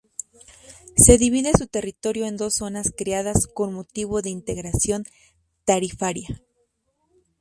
Se divide su territorio en dos zonas creadas con motivo de integración tarifaria.